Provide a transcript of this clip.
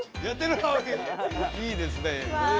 おいいですね。